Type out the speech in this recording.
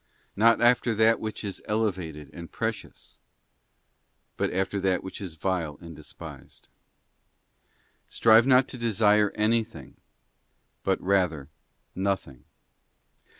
8. Hope. Not after that which is elevated and precious, but after that which is vile and despised. Strive not to desire anything, but rather nothing.